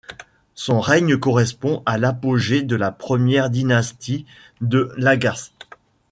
Son règne correspond à l'apogée de la première dynastie de Lagash.